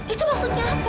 itu maksudnya apa